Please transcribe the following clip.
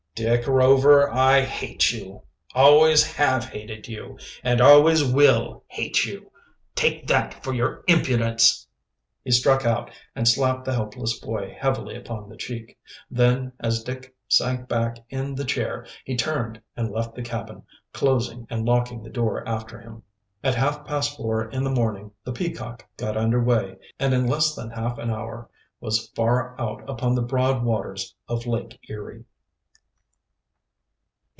"Dick Rover, I hate you, always have hated you, and always will hate you. Take that for your impudence." He struck out and slapped the helpless boy heavily upon the cheek. Then, as Dick sank back in the chair, he turned and left the cabin, closing and locking the door after him. At half past four in the morning the Peacock got under way, and in less than an hour was far out upon the broad waters of Lake Erie.